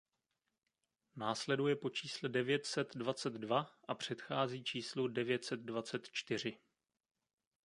Následuje po čísle devět set dvacet dva a předchází číslu devět set dvacet čtyři.